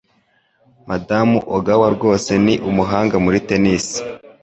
Madamu Ogawa rwose ni umuhanga muri tennis.